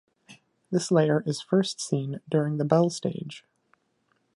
This layer is first seen during the bell stage.